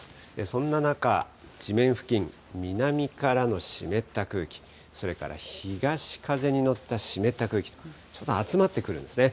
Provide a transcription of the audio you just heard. そんな中、地面付近、南からの湿った空気、それから東風に乗った湿った空気、ちょうど集まってくるんですね。